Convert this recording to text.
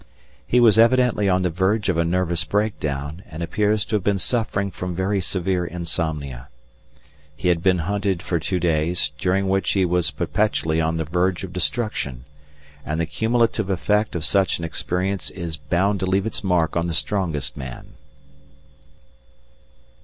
He was evidently on the verge of a nervous breakdown, and appears to have been suffering from very severe insomnia. He had been hunted for two days, during which he was perpetually on the verge of destruction, and the cumulative effect of such an experience is bound to leave its mark on the strongest man.